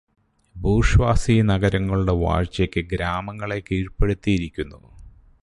Bourgeoisie നഗരങ്ങളുടെ വാഴ്ചയ്ക്കു് ഗ്രാമങ്ങളെ കീഴ്പ്പെടുത്തിയിരിക്കുന്നു.